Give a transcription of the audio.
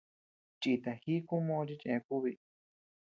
Chìta jíku mo chi chë kúbi.